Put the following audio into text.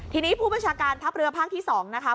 ทีนี้ผู้บัญชาการทัพเรือภาคที่๒นะคะ